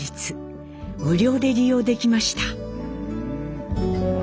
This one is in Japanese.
無料で利用できました。